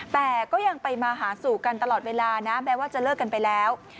แต่ก็ยังไปมาหาสู่กันตลอดเวลานะแม้ว่าจะเลิกกันไปแล้ว